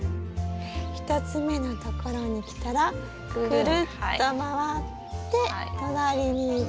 １つ目のところにきたらくるっと回って隣に行って。